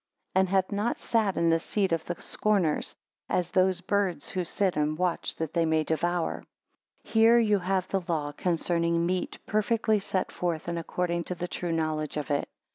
14 And hath not sat in the seat of the scorners; as those birds who sit and watch that they may devour. 15 Here you have the law concerning meat perfectly set forth and according to the true knowledge of it.